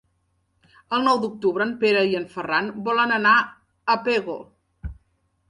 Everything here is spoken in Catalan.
El nou d'octubre en Pere i en Ferran volen anar a Pego.